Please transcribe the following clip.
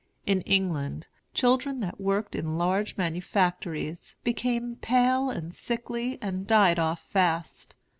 In England, children that worked in large manufactories became pale and sickly and died off fast.